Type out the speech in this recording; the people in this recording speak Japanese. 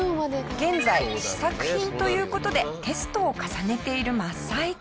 現在試作品という事でテストを重ねている真っ最中。